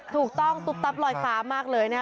ถูกต้องตุ๊บตับลอยฟ้ามากเลยนะฮะ